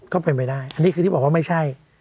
ก็เป็นไปได้อันนี้คือที่บอกว่าไม่ใช่